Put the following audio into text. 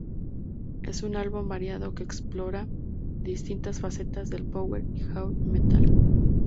Es un álbum variado que explora distintas facetas del Power y Heavy Metal.